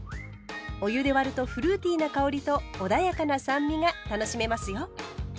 お湯で割るとフルーティーな香りとおだやかな酸味が楽しめますよ。